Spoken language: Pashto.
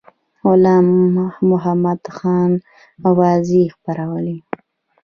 غلام محمدخان اوازې خپرولې.